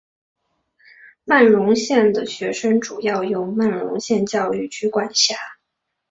曼绒县的学校主要由曼绒县教育局管辖。